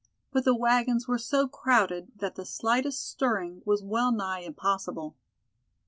But the wagons were so crowded that the slightest stirring was well nigh impossible.